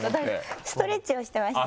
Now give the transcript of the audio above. ストレッチをしてました。